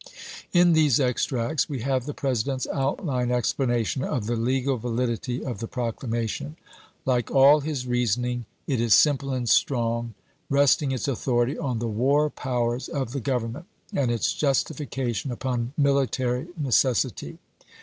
In these extracts we have the President's outline explanation of the legal validity of the proclamation. Like all his reasoning, it is simple and strong, rest ing its authority on the war powers of the Grovern ment and its justification upon military necessity.